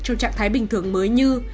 trong trạng thái bình thường mới như